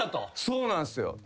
そうなんすよ。